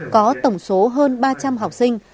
có tổng số hơn ba trăm linh học sinh